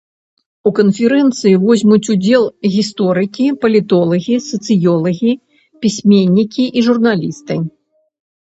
У канферэнцыі возьмуць удзел гісторыкі, палітолагі, сацыёлагі, пісьменнікі і журналісты.